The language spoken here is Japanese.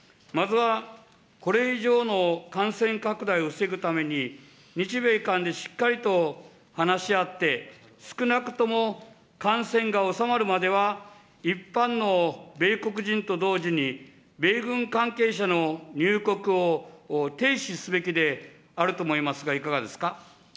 まずはこれ以上の感染拡大を防ぐために、日米間でしっかりと話し合って、少なくとも感染が収まるまでは、一般の米国人と同時に、米軍関係者の入国を停止すべきであると思いますが、いかがですか。